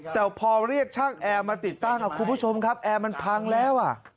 แต่พอเรียกช่างแอร์มาติดตั้งคุณผู้ชมครับแอร์มันพังแล้ว